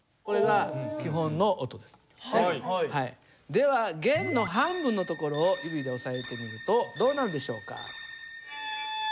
では弦の半分のところを指で押さえてみるとどうなるでしょうか？